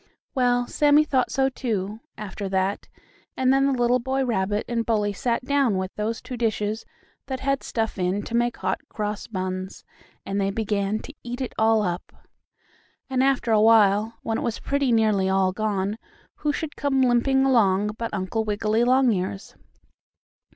Well, Sammie thought so, too, after that, and then the little boy rabbit and Bully sat down, with those two dishes, that had stuff in to make Hot Cross Buns, and they began to eat it all up. And after awhile, when it was pretty nearly all gone, who should come limping along but Uncle Wiggily Longears.